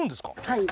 はい。